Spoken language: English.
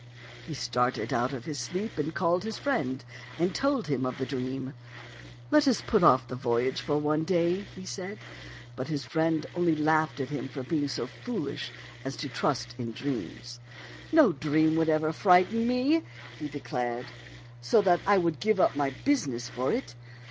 He started out of his sleep, called his friend, and told him of the dream. * Let us put off the voyage for one day,' he said. But his friend only laughed at him for being so foolish as to trust in dreams. * No dream would ever frighten me,* he declared, * so that I would give up my business for it.